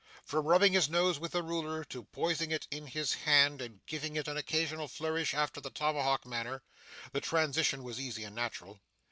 From rubbing his nose with the ruler, to poising it in his hand and giving it an occasional flourish after the tomahawk manner, the transition was easy and natural.